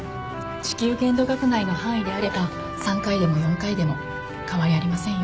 支給限度額内の範囲であれば３回でも４回でも変わりありませんよ。